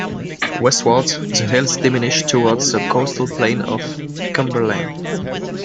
Westwards the hills diminish toward the coastal plain of Cumberland.